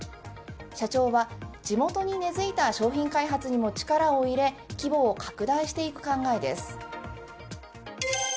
社長は地元に根付いた商品開発にも力を入れ規模を拡大していく考えです。